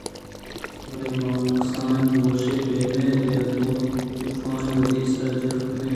بلے ما وَ کسانیں کوش ئے بہ بیت یا طُوفانے وتی سراں جہل کنیں